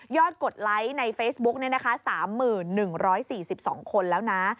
ยอดกดไลค์ในเฟซบุ๊คสามหมื่นหนึ่งร้อยสี่สิบสองคนแล้วนะ